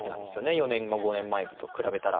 ４年も５年前と比べたら。